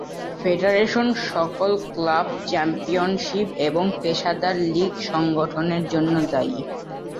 Federation সকল club championship এবং পেশাদার লীগ সংগঠনের জন্য দায়ী।